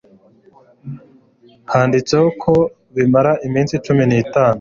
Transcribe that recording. Handitseho ko bimara iminsi cumi nitanu